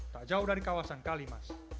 tak jauh dari kawasan kalimas